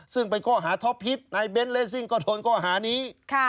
ซึ่งไปกล้อหาท็อปพลิปนายเบนไลซิก็ถูกโดนกล้อหานี้